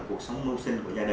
trong nước và quốc tế